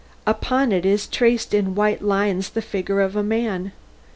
Upon it is traced in white lines the figure of a man.